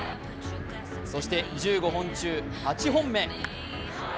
そして１５本中８本目。